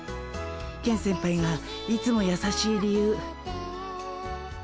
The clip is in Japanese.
ケン先輩がいつもやさしい理由。